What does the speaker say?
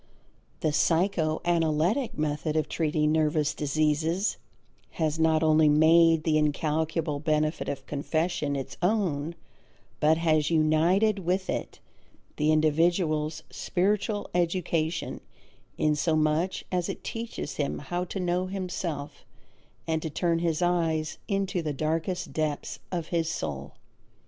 The psycho analytic method of treating nervous diseases has not only made the incalculable benefit of confession its own but has united with it the individual's spiritual education inasmuch as it teaches him how to know himself and to turn his eyes into the darkest depths of his soul.